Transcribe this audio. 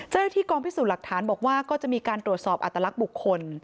เจ้าหน้าที่กองพิสูจน์หลักฐานบอกว่าก็จะมีการตรวจสอบอัตลักษณ์บุคคล